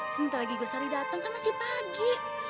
sebentar lagi gue sari datang kan masih pagi